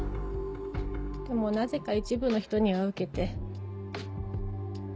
でもなぜか一部の人にはウケて。